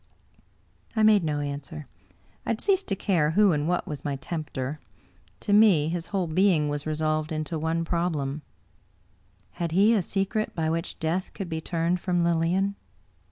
I made no answer. I had ceased to care who and what was my tempter. To me his whole being was resolved into one problem: had he a secret by which death could be turned from Lilian?